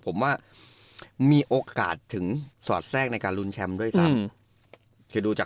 ผมว่ามีโอกาสถึงสอดแทรกในการลุ้นแชมป์ด้วยซ้ำ